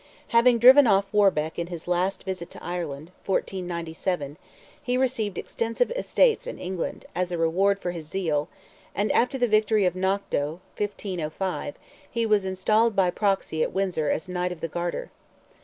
Having driven off Warbeck in his last visit to Ireland (1497), he received extensive estates in England, as a reward for his zeal, and after the victory of Knock doe (1505), he was installed by proxy at Windsor as Knight of the Garter.